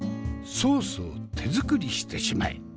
ソースを手作りしてしまえ！